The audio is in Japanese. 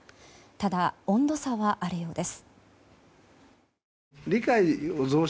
ただ、温度差はあるようです。